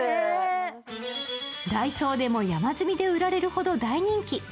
ダイソーでも山積みで売られるほど大人気。